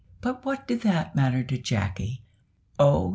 But what did that matter to Jacky? Oh!